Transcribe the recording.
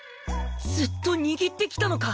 ずっと握ってきたのか？